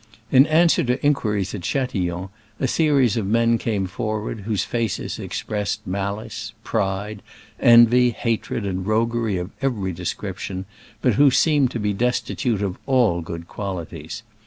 In answer to inquiries at Cha tillon, a series of men came forward whose faces expressed malice, pride, envy, hatred and roguery of every de scription, but who seemed to be desti tute of all good qualities.